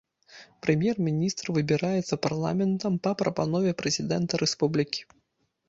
Прэм'ер-міністр выбіраецца парламентам па прапанове прэзідэнта рэспублікі.